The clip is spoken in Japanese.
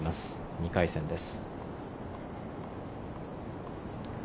２回戦です。